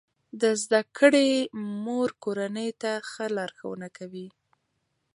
د زده کړې مور کورنۍ ته ښه لارښوونه کوي.